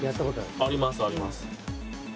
ありますあります。